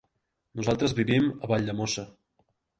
Nosaltres vivim a Valldemossa.